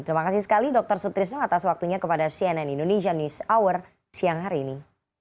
terima kasih sekali dr sutrisno atas waktunya kepada cnn indonesia news hour siang hari ini